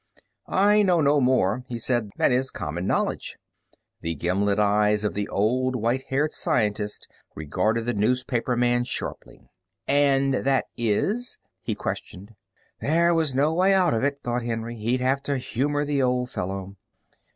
"I know no more," he said, "than is common knowledge." The gimlet eyes of the old white haired scientist regarded the newspaperman sharply. "And that is?" he questioned. There was no way out of it, thought Henry. He'd have to humor the old fellow.